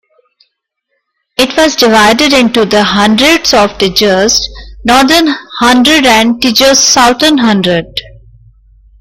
It was divided into the hundreds of Tjust Northern Hundred and Tjust Southern Hundred.